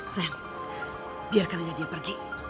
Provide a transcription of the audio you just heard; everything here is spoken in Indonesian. sayang biarkan aja dia pergi